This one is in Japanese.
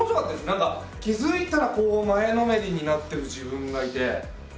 何か気付いたら前のめりになってる自分がいて。